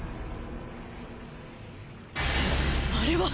あれは。